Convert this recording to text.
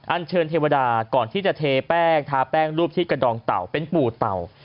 อันเชิญเทวดาก่อนที่จะเทแป้งทาแป้งรูปที่กระดองเต่าเป็นปู่เต่า